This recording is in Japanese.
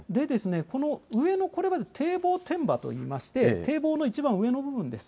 上の堤防天馬といいまして堤防の一番上の部分です。